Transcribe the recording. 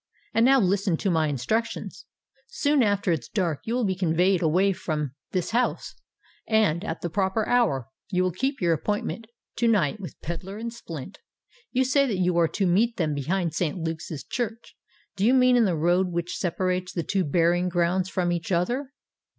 "And now listen to my instructions. Soon after it is dark you will be conveyed away from this house; and, at the proper hour, you will keep your appointment to night with Pedler and Splint. You say that you are to meet them behind St. Luke's church. Do you mean in the road which separates the two burying grounds from each other?"